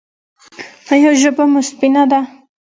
ایا ژبه مو سپینه ده؟